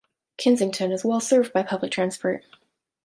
Kensington is well served by public transport.